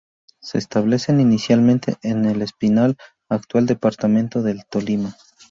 Se establecen inicialmente en El Espinal, actual departamento del Tolima.